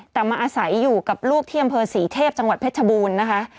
แต่มาอาศัยอยู่กับลูกที่อำเภอศรีเทพจังหวัดเพชรบูรณ์นะคะ